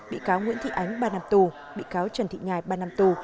bị cáo nguyễn thị ánh ba năm tù bị cáo trần thị ngài ba năm tù